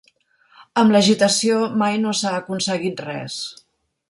Amb l'agitació mai no s ha aconseguit res.